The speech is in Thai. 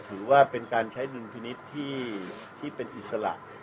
ถือว่าเป็นการใช้ดุลพินิษฐ์ที่เป็นอิสระ